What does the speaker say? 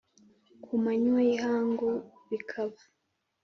ku manywa y ihangu bikaba